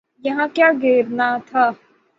یہاں کیا گرنا تھا؟